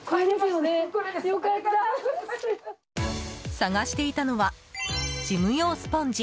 探していたのは事務用スポンジ。